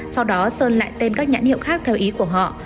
sau đó sơn lại tên các nhãn hiệu khác theo ý của họ